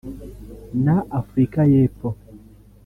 na Afurika y’Epfo